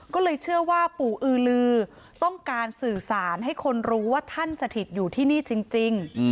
ก็เลยเชื่อว่าปู่อือลือต้องการสื่อสารให้คนรู้ว่าท่านสถิตอยู่ที่นี่จริง